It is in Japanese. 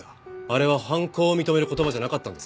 あれは犯行を認める言葉じゃなかったんですか？